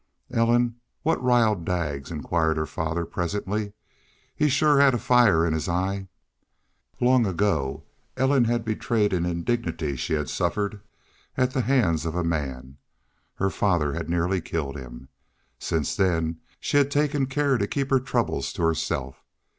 "Ellen, what riled Daggs?" inquired her father, presently. "He shore had fire in his eye." Long ago Ellen had betrayed an indignity she had suffered at the hands of a man. Her father had nearly killed him. Since then she had taken care to keep her troubles to herself.